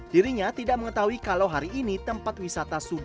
dirinya tidak mengetahui kalau hari ini tempat wisata ini tidak akan beroperasi